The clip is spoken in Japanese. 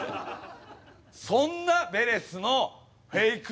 そんなヴェレスのフェイク